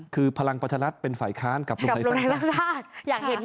คือพลังปัชรัฐเป็นฝ่ายค้านกับลงในรัฐศาสตร์